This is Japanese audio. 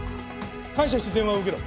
感謝して電話を受けろ。